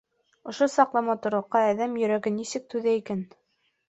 Ошо саҡлы матурлыҡҡа әҙәм йөрәге нисек түҙә икән?